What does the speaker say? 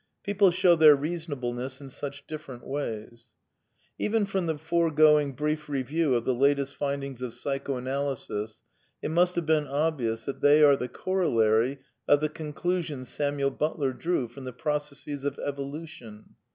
People show their reasonableness in such different ways. Even from the foregoing brief review of the latest find ings of Psychoanalysis it must have been obvious that they* are the corollary of the conclusions Samuel Butler drew from the proc Jes of evolution.